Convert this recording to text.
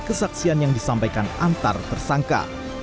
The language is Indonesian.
kesaksian yang disampaikan antar tersangka